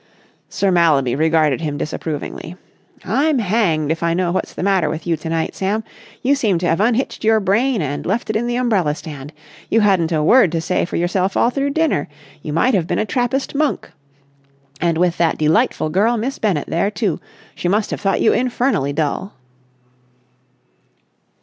Sir Mallaby regarded him disapprovingly. "I'm hanged if I know what's the matter with you to night, Sam. You seem to have unhitched your brain and left it in the umbrella stand. You hadn't a word to say for yourself all through dinner. You might have been a Trappist monk. And with that delightful girl Miss Bennett, there, too. She must have thought you infernally dull."